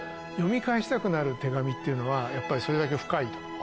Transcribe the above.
読み返したくなる手紙というのはやっぱりそれだけ深いと。